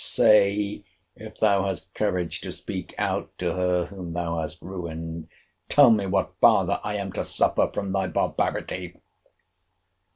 —Say, if thou hast courage to speak out to her whom thou hast ruined, tell me what farther I am to suffer from thy barbarity?